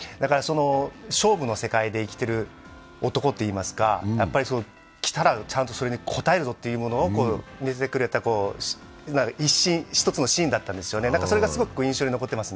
勝負の世界で生きてる男といいますか、やっぱり来たらちゃんとそれに応えるぞというのを見せてくれた一つのシーンだったんですよね、それがすごく印象に残ってます。